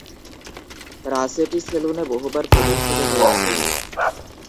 রাসেটি সেলুনে বহুবার প্রদর্শিত হয়েছে।